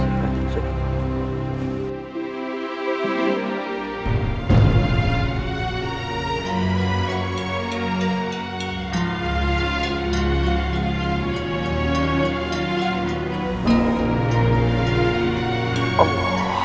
saya berterima kasih